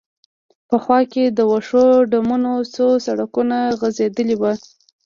په خوا کې د وښو ډمونه، څو سړکونه غځېدلي و.